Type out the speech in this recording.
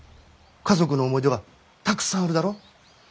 家族の思い出がたくさんあるだろ。